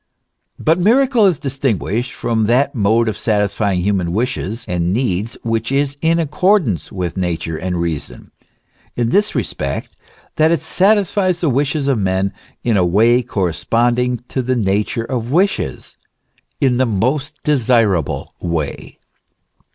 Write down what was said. But miracle is distinguished from that mode of satisfying human wishes and needs which is in accordance with Nature and reason, in this respect, that it satisfies the wishes of men in a way corresponding to the nature of wishes in the most desir able way.